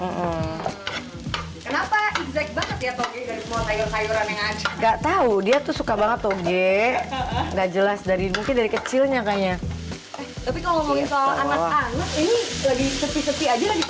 enggak tahu dia tuh suka banget toge enggak jelas dari mungkin dari kecilnya kayaknya